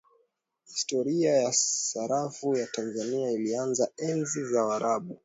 historia ya sarafu ya tanzania ilianza enzi za waarabu